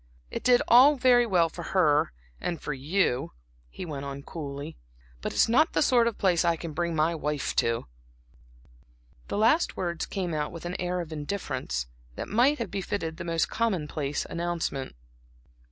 "It did all very well for her and for you," he went on, coolly, "but it's not the sort of place I can bring my wife to." The last words came out with an air of indifference, that might have befitted the most commonplace announcement.